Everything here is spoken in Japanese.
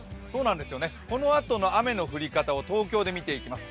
このあとの雨の降り方を東京で見ていきます。